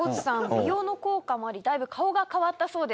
美容の効果もありだいぶ顔が変わったそうです。